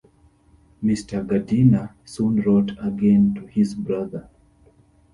Mr. Gardiner soon wrote again to his brother.